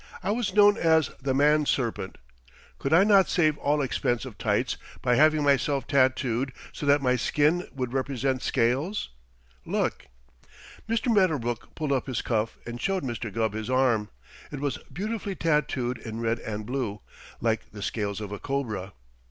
I was known as the Man Serpent. Could I not save all expense of tights by having myself tattooed so that my skin would represent scales? Look." Mr. Medderbrook pulled up his cuff and showed Mr. Gubb his arm. It was beautifully tattooed in red and blue, like the scales of a cobra.